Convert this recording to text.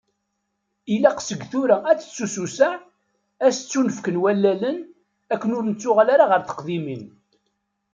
Ilaq seg tura, ad tettusewseɛ, ad as-ttunefken wallalen, akken ur nettuɣal ara ɣer teqdimin.